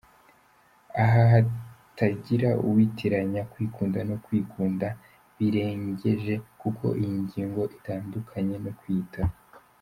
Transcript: Aha hatagira uwitiranya kwikunda no kwikunda birengeje, kuko iyi ngingo itandukanye no kwiyitaho.